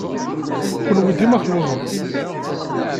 Kenwi dima telluẓem!